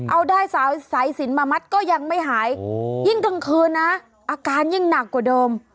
เอาได้สายสินมามัดก็ยังไม่หายยิ่งกลางคืนนะอาการยิ่งหนักกว่าเดิม